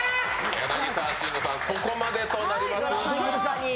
柳沢慎吾さん、ここまでとなります。